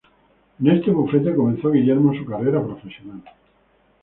En este bufete comenzó Guillermo su carrera profesional.